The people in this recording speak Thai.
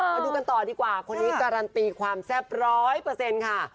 มาดูกันต่อดีกว่าคนนี้การันตีความแซ่บร้อยเปอร์เซ็นต์ค่ะ